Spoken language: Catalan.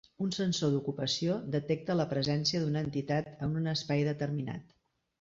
Un sensor d'ocupació detecta la presència d'una entitat en un espai determinat.